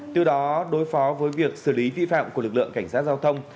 từ đó đối phó với việc xử lý vi phạm của lực lượng cảnh sát giao thông